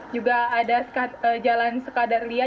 juga ada jalan skadarlia